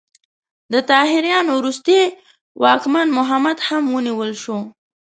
د طاهریانو وروستی واکمن محمد هم ونیول شو.